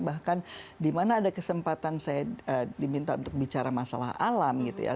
bahkan di mana ada kesempatan saya diminta untuk bicara masalah alam gitu ya